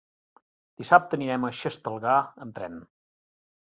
Dissabte anirem a Xestalgar amb tren.